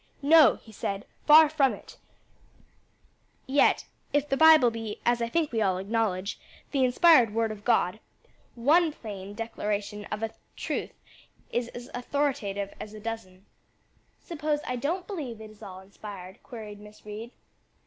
"No," he said, "far from it; yet if the Bible be as I think we all acknowledge the inspired word of God, one plain declaration of a truth is as authoritative as a dozen." "Suppose I don't believe it is all inspired?" queried Miss Reed.